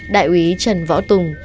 đại úy trần võ tùng